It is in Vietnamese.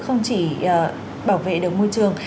không chỉ bảo vệ đường môi trường